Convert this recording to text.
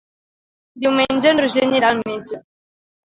Diumenge en Roger anirà al metge.